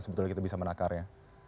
sebetulnya kita bisa menakarnya